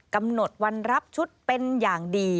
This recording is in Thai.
กำหนดวันรับชุดเป็นอย่างดี